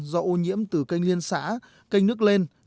do ô nhiễm từ canh liên xã canh nước lên